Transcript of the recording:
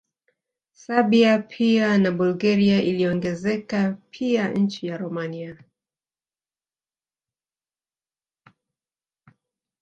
Serbia pia na Bulgaria iliongezeka pia nchi ya Romania